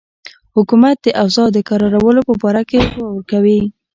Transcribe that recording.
حکومت د اوضاع د کرارولو په باره کې غور کوي.